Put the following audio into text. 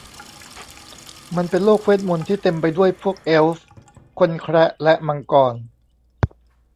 มันเป็นโลกเวทมนต์ที่เต็มไปด้วยพวกเอลฟ์ คนแคระและมังกร